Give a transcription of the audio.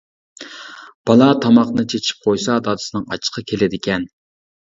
بالا تاماقنى چېچىپ قويسا دادىسىنىڭ ئاچچىقى كېلىدىكەن.